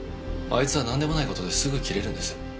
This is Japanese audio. あいつはなんでもない事ですぐキレるんです。